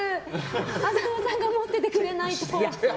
浅野さんが持っててくれないと。